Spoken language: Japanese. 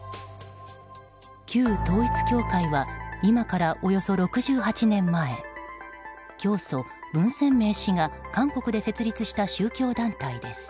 旧統一教会は今からおよそ６８年前教祖・文鮮明氏が韓国で設立した宗教団体です。